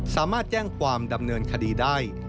สามารถแจ้งความดำเนินคดีได้